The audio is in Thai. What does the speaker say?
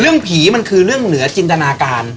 เรื่องผีมันคือเรื่องเหนือจินตนาการ